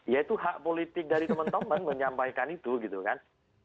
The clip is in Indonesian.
ya itu hak politik dari teman teman menyampaikan itu gitu kan